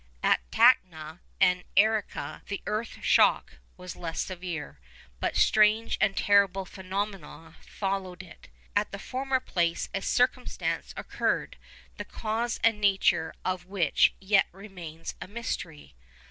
At Tacna and Arica, the earth shock was less severe, but strange and terrible phenomena followed it. At the former place a circumstance occurred, the cause and nature of which yet remain a mystery.